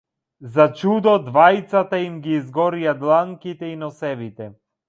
За чудо, на двајцата им ги изгорија дланките и носевите.